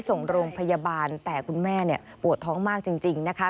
ส่งโรงพยาบาลแต่คุณแม่เนี่ยปวดท้องมากจริงนะคะ